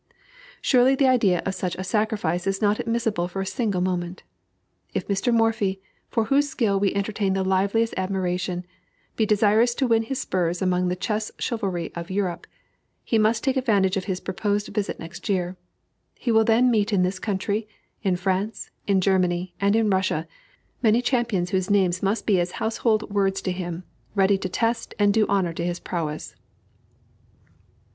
Surely the idea of such a sacrifice is not admissible for a single moment. If Mr. Morphy for whose skill we entertain the liveliest admiration be desirous to win his spurs among the chess chivalry of Europe, he must take advantage of his proposed visit next year; he will then meet in this country, in France, in Germany, and in Russia, many champions whose names must be as household words to him, ready to test and do honor to his prowess."